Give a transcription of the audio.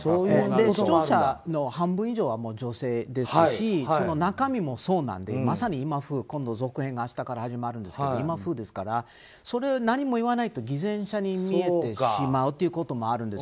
視聴者の半分以上は女性ですしその中身もそうなので続編が明日から始まるんですがまさに今風ですから偽善者に見えてしまうということもあるんです。